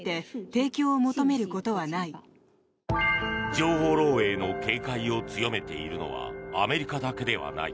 情報漏えいの警戒を強めているのはアメリカだけではない。